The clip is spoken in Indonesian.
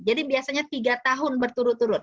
jadi biasanya tiga tahun berturut turut